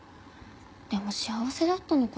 でも幸せだったのかな？